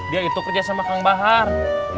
dia itu kerja sama kang bahar